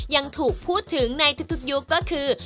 ยังถูกพูดถึงในทุกยุคก็คือ